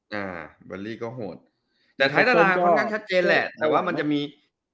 แต่ไทยตารางค่อนข้างชัดเจนแหละแต่ว่ามันจะมี